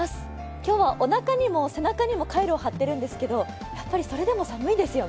今日はおなかにも背中にもカイロを貼っているんですけど、やっぱりそれでも寒いですよね。